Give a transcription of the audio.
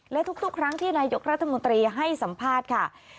และทุกครั้งที่นายกรัฐมนตรีให้สัมภาษณ์ค่ะ